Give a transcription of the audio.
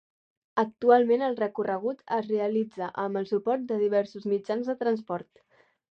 Actualment el recorregut es realitza amb el suport de diversos mitjans de transport.